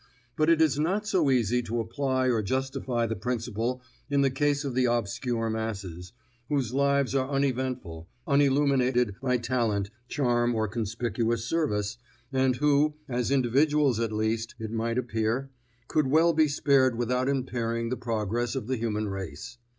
But it is not so easy to apply or justify the principle in the case of the obscure masses, whose lives are uneventful, unilluminated by talent, charm, or conspicuous service, and who, as individuals at least, it might appear, could well be spared without impairing the progress of the human race.